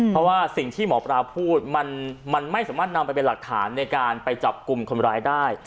เพราะว่าสิ่งที่หมอปลาพูดมันไม่สามารถนำไปเป็นหลักฐานในการไปจับกลุ่มคนร้ายได้